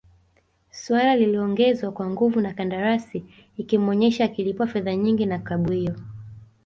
suala lililoongezwa nguvu na kandarasi ikimuonesha akilipwa fedha nyingi na klabu hiyo